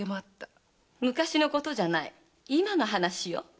昔のことじゃない今の話よ。